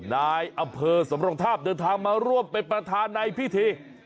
นายอำเภอสำรงทาบเดินทางมาร่วมเป็นประธานในพิธี